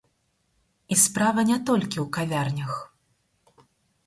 І справа не толькі ў кавярнях.